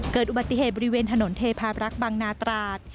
เกิดอุบัติเหตุบริเวณถนนเทพารักษ์บางนาตราด